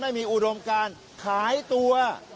ไม่มีอุดมการขายตัว